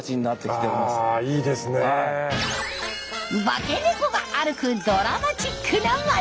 化け猫が歩くドラマチックな街。